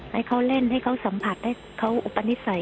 ให้เขาเล่นให้เขาสัมผัสให้เขาอุปนิสัย